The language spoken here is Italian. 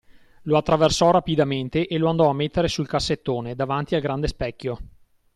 Lo attraversò rapidamente e lo andò a mettere sul cassettone, davanti al grande specchio.